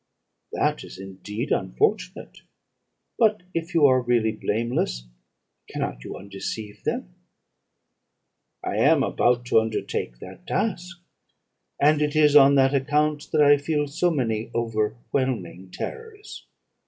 "'That is indeed unfortunate; but if you are really blameless, cannot you undeceive them?' "'I am about to undertake that task; and it is on that account that I feel so many overwhelming terrors.